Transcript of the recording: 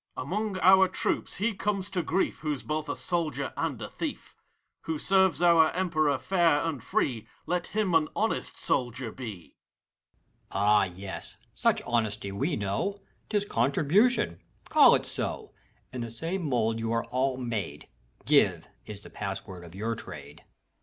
GUABDSHEK. Among our troops he comes to grief Who's both a soldier and a thief : Who serves our Emperor fair and free, Let him an honest soldier be ! HAVEQUICK. yes! such honesty we know: 'T is Contrihutionf — call it so ! In the same mould you all are made. '^Give !" is the password of yoUr trade. « ACT ir. ai5 [IPdctiml.